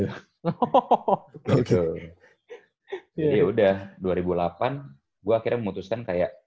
jadi yaudah dua ribu delapan gue akhirnya memutuskan kayak